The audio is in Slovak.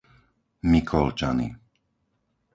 Mikolčany